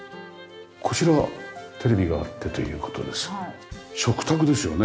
こちらはテレビがあってという事で食卓ですよね？